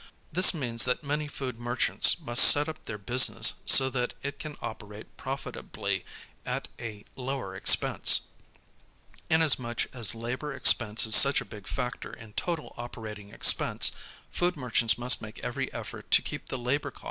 This means that many food merchants must set up their business so that it can operate profitably at a lower expense. Inasmuch as labor expense is such a big factor in total operating expense, food merchants must make every effort to keep the labor cost down or to put it the The Modern Food Market.